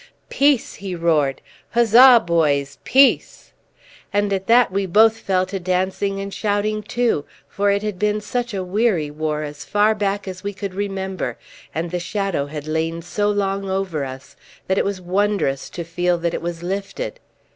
"Peace!" he roared. "Huzza, boys! Peace!" And at that we both fell to dancing and shouting too; for it had been such a weary war as far back as we could remember, and the shadow had lain so long over us, that it was wondrous to feel that it was lifted.